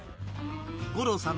五郎さん